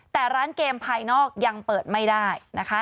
แต่ร้านเกมภายนอกยังเปิดไม่ได้นะคะ